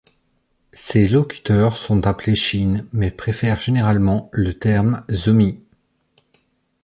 Ses locuteurs sont appelés Chin mais préfèrent généralement le terme Zomi.